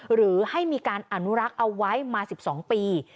หรือให้มีการอนุรักษ์เอาไว้มา๑๒ปี